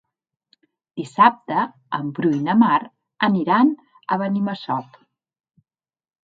Dissabte en Bru i na Mar aniran a Benimassot.